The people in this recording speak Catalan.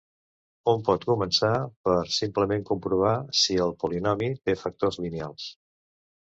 Hom pot començar per simplement comprovar si el polinomi té factors lineals.